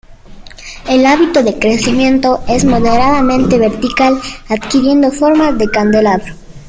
El hábito de crecimiento es moderadamente vertical adquiriendo forma de candelabro.